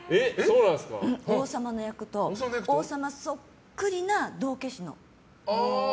王様の役と王様そっくりな道化師の。